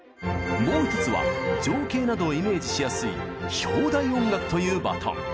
もう１つは情景などをイメージしやすい「標題音楽」というバトン。